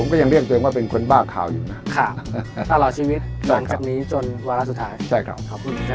ก็ยังเรียกตัวเองว่าเป็นคนบ้าข่าวอยู่นะตลอดชีวิตหลังจากนี้จนวาระสุดท้ายใช่ครับ